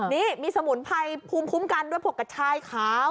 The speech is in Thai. นี่มีสมุนไพรภูมิคุ้มกันด้วยพวกกระชายขาว